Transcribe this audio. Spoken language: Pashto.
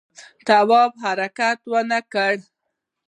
تواب حرکت ونه کړ.